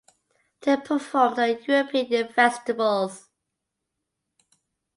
They performed at European festivals.